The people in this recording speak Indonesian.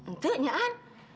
nggak ya kan